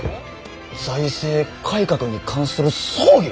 「財政改革に関する奏議」。